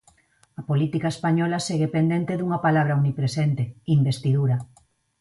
A política española segue pendente dunha palabra omnipresente: investidura.